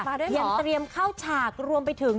ยังเตรียมเข้าฉากรวมไปถึง